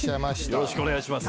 よろしくお願いします。